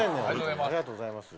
ありがとうございます。